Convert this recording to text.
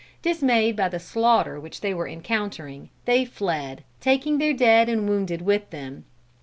Dismayed by the slaughter which they were encountering, they fled, taking their dead and wounded with them.